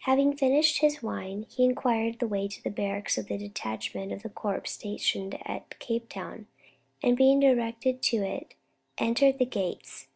Having finished his wine, he inquired the way to the barracks of the detachment of the corps stationed at Cape Town, and being directed to it, entered the gates.